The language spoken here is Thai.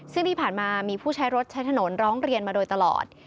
ซึ่งที่ผ่านมามีผู้ใช้รถใช้ถนนร้องเรียนมาโดยตลอด